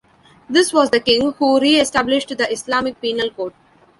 This was the king who re-established the Islamic penal code.